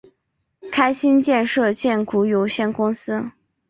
开心建设股份有限公司